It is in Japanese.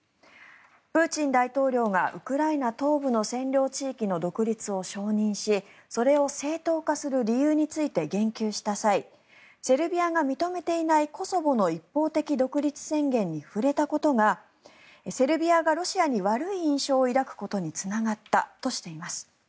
プーチン大統領がウクライナ東部の占領地域の独立を承認しそれを正当化する理由について言及した際セルビアが認めていないコソボの一方的独立宣言に触れたことがセルビアがロシアに悪い印象を抱くことにつながったとしています。